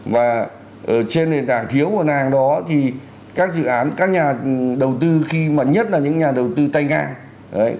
và trên nền tảng thiếu của nàng đó thì các dự án các nhà đầu tư khi mà nhất là những nhà đầu tư tay ngang